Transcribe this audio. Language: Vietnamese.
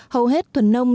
hầu hết thuần nông